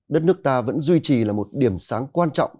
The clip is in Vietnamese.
đất nước ta vẫn duy trì là một điểm sáng quan trọng